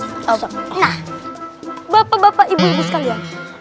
nah bapak bapak ibu ibu sekalian